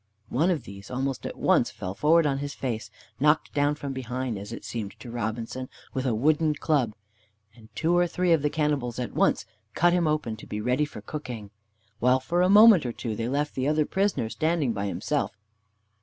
One of these almost at once fell forward on his face, knocked down from behind, as it seemed to Robinson, with a wooden club, and two or three of the cannibals at once cut him open to be ready for cooking, while for a moment or two they left the other prisoner standing by himself.